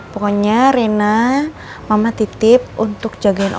pokoknya rina mama titip untuk jagain omaya ya